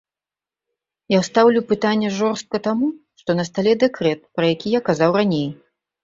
Я стаўлю пытанне жорстка таму, што на стале дэкрэт, пра які я казаў раней.